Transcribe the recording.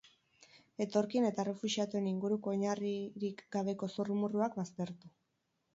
Etorkin edo errefuxiatuen inguruko oinarririk gabeko zurrumurruak baztertu.